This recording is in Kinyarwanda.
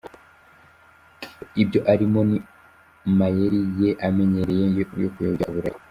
Ibyo ari mo ni ya mayeri ye amenyereye yo kuyobya uburari.